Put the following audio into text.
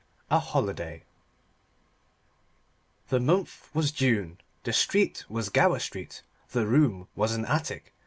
A HOLIDAY THE month was June, the street was Gower Street, the room was an attic.